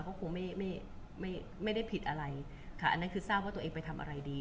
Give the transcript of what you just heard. เขาคงไม่ไม่ไม่ได้ผิดอะไรค่ะอันนั้นคือทราบว่าตัวเองไปทำอะไรดี